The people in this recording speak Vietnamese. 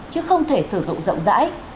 chứ không thể sử dụng rộng rãi